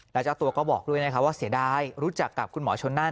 แล้วเจ้าตัวก็บอกด้วยนะครับว่าเสียดายรู้จักกับคุณหมอชนนั่น